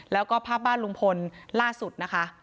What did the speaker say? แล้วก็ภาพบ้านลุงพลล่าสุดนะคะ